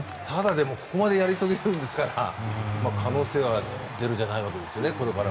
ここまでやり遂げるんですから可能性はこれからもゼロじゃないですよね。